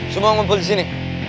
semua ngumpul disini